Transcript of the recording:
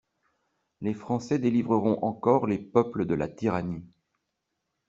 Les Français délivreront encore les peuples de la tyrannie.